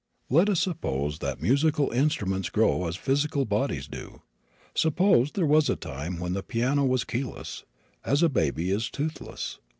Let us suppose that musical instruments grow as physical bodies do. Suppose there was a time when the piano was keyless, as a baby is toothless.